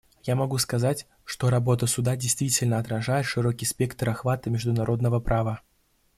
Я могу сказать, что работа Суда действительно отражает широкий спектр охвата международного права.